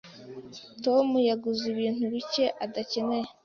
Tom yaguze ibintu bike adakeneye.